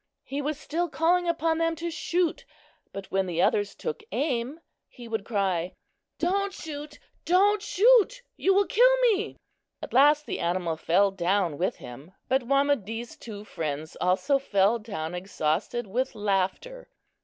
He was still calling upon them to shoot, but when the others took aim he would cry: "Don't shoot! don't shoot! you will kill me!" At last the animal fell down with him; but Wamedee's two friends also fell down exhausted with laughter.